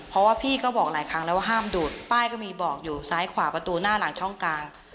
เพราะว่าพี่ก็บอกหลายครั้งแล้วว่าห้ามดูดป้ายก็มีบอกอยู่ซ้ายขวาประตูหน้าหลังช่องกลาง